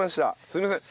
すいません。